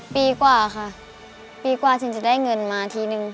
ปีกว่าค่ะปีกว่าถึงจะได้เงินมาทีนึง